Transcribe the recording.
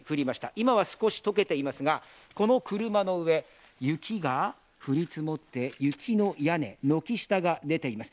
今は少し解けていますが、この車の上、雪が降り積もって雪の屋根、軒下が出ています。